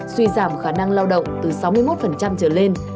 suy giảm khả năng lao động từ sáu mươi một trở lên